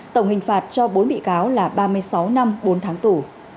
tổng hình phạt cho bốn bị cáo là ba mươi sáu năm bốn tháng tù